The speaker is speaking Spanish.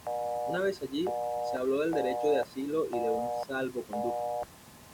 Una vez allí, se habló del derecho de asilo y de un salvoconducto.